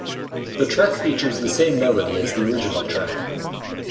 The track features the same melody as the original track.